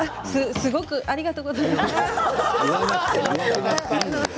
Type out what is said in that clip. すごくありがとうございます。